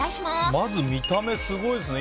まず、見た目すごいですね。